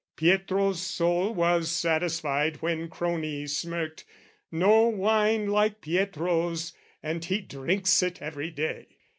Pietro's soul Was satisfied when crony smirked, "No wine "Like Pietro's, and he drinks it every day!"